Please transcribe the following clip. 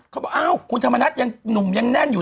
เขาบอกอ้าวคุณธรรมนัฐยังหนุ่มยังแน่นอยู่